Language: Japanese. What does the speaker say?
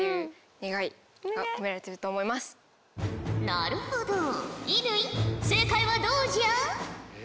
なるほど乾正解はどうじゃ？